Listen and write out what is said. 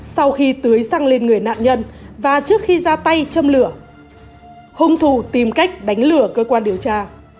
sau khi tưới xăng lên người nạn nhân và trước khi ra tay châm lửa hung thủ tìm cách đánh lửa cơ quan điều tra